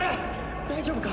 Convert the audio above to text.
大丈夫か！？